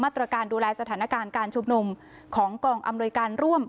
ตรการดูแลสถานการณ์การชุมนุมของกองอำนวยการร่วม